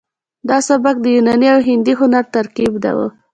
دا سبک د یوناني او هندي هنر ترکیب و